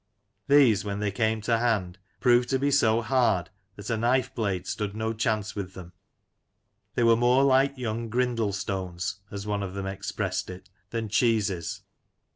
These, when they came to hand, proved to be so hard that a knife blade stood no chance with them. They were more like young grindlestones (as one of them expressed it) than cheeses.